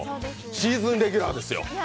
シーズンレギュラーですよ。